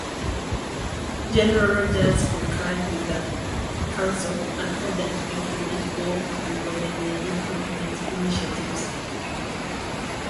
General Rogers concurred with the council and ordered to implement all recommended improvement initiatives.